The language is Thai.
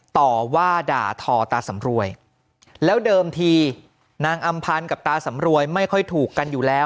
ต่อว่าด่าทอตาสำรวยแล้วเดิมทีนางอำพันธ์กับตาสำรวยไม่ค่อยถูกกันอยู่แล้ว